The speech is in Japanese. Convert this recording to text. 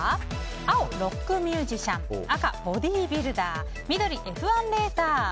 青、ロックミュージシャン赤、ボディービルダー緑、Ｆ１レーサー。